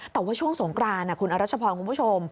แต่ว่าช่วงสงกรานคุณอรัชพรคุณผู้ชม